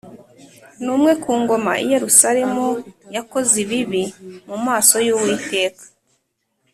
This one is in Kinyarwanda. n umwe ku ngoma i Yerusalemu Yakoze ibibi mu maso yuwiteka